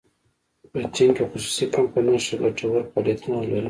په چین کې خصوصي کمپنۍ ښه ګټور فعالیتونه لري.